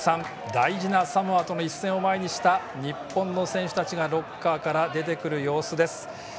大事なサモアとの一戦を前にした日本の選手たちがロッカーから出てくる様子です。